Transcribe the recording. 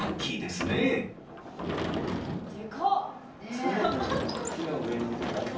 常に木の上にいるからね。